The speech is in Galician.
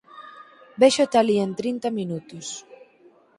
Véxote alí en trinta minutos".